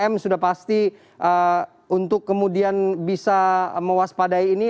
tiga m sudah pasti untuk kemudian bisa mewaspadai ini